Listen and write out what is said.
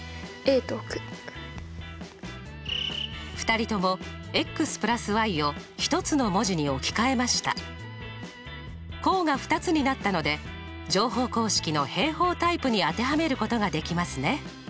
２人とも＋を一つの文字に置き換え項が２つになったので乗法公式の平方タイプに当てはめることができますね。